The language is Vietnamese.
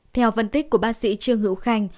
theo phân tích của bác sĩ trương hữu khanh